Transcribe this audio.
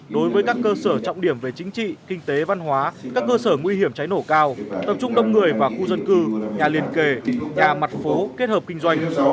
đối với các cơ sở trọng điểm về chính trị kinh tế văn hóa các cơ sở nguy hiểm cháy nổ cao tập trung đông người vào khu dân cư nhà liền kề nhà mặt phố kết hợp kinh doanh